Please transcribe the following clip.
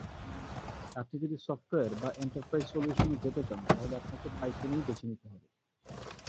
আপনি যদি সফটওয়্যার বা এন্টারপ্রাইজ সলিউশনে যেতে চান তাহলে আপনাকে পাইথনেই বেছে নিতে হবে।